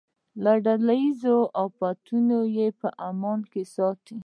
له ډله ییزو فتنو یې په امان کې ساتي.